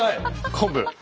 昆布！